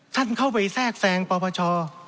ท่านเข้าไปแทรกแสงปตรอปกติ